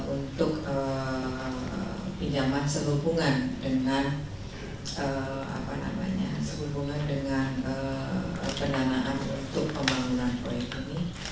untuk pinjaman sehubungan dengan penanaan untuk pembangunan kota ini